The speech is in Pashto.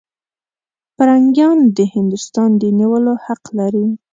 پیرنګیان د هندوستان د نیولو حق لري.